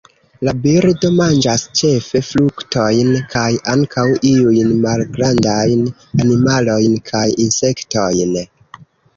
La birdo manĝas ĉefe fruktojn kaj ankaŭ iujn malgrandajn animalojn kaj insektojn.